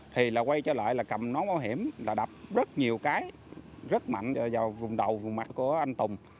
thì là quay trở lại là cầm nón bảo hiểm là đập rất nhiều cái rất mạnh vào vùng đầu vùng mặt của anh tùng